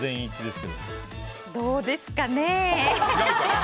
どうですかね。